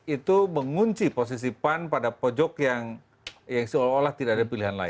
itu mengunci posisi pan pada pojok yang seolah olah tidak ada pilihan lain